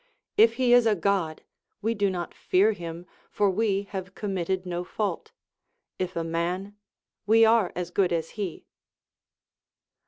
If he is a God, we do not fear him, for we have committed no fault ; if a man, we are as good as he.